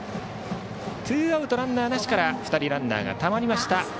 ツーアウトランナーなしから２人ランナーがたまりました